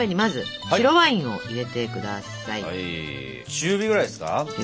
中火ぐらいですか？